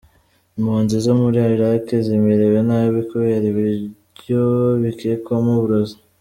Impunzi zo muri Irak zimerewe nabi kubera ibiryo bikekwamo uburozi .